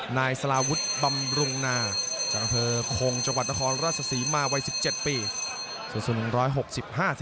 นายสลาวุฒิบำรุงนาจังหาเผอร์โคงจนรัศสีมาวัย๑๗ปี